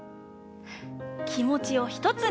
きもちをひとつに。